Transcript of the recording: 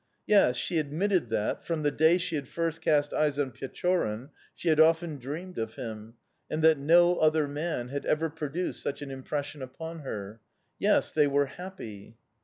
"Yes, she admitted that, from the day she had first cast eyes on Pechorin, she had often dreamed of him, and that no other man had ever produced such an impression upon her. Yes, they were happy!"